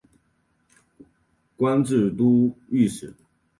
官至都御史。